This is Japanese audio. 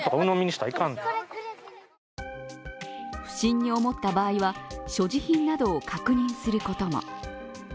不審に思った場合は、所持品などを確認することも。